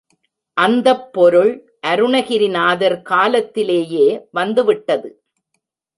அந்தப் பொருள் அருணகிரிநாதர் காலத்திலேயே வந்துவிட்டது.